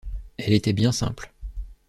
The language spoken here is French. Elle était bien simple.